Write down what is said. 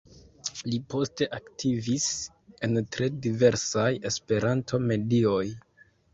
Li poste aktivis en tre diversaj Esperanto-medioj.